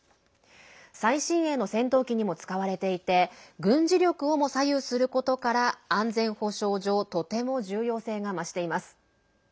最新鋭の戦闘機にも使われていて軍事力をも左右することから安全保障上とても重要性が増しています。